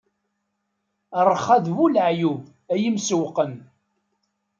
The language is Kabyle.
Rrxa d bu laɛyub,a yimsewwqen!